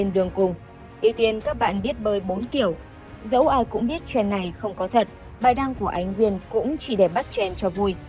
dẫu ai cũng biết trend này không có thật bài đăng của anh nguyên cũng chỉ để bắt trend cho vui